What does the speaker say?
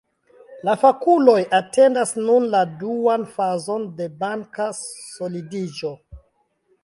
La fakuloj atendas nun la duan fazon de banka solidiĝo.